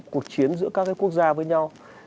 cuộc chiến giữa các cái quốc gia với nhau